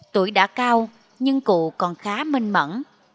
tuổi đã cao nhưng cụ còn khá minh mẫn